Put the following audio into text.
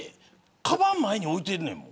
かばん前に置いてんねん。